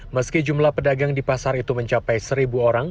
meski jumlah pedagang di pasar itu mencapai seribu orang